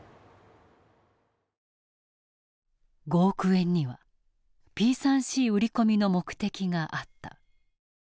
５億円にはＰ３Ｃ売り込みの目的があった。